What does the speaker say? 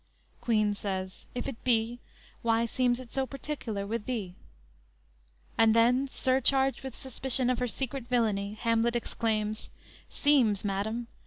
"_ Queen says: "If it be, Why seems it so particular with thee?" And then surcharged with suspicion of her secret villainy Hamlet exclaims: _"Seems, madam!